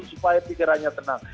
supaya pikirannya tenang